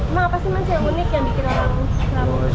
emang apa sih yang unik yang bikin orang